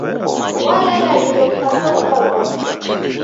Walala dilo mpaka ukaghona.